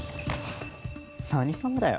何様だよ？